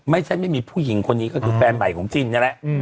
ไม่ใช่ไม่มีผู้หญิงคนนี้ก็คือแฟนใหม่ของจินนี่แหละ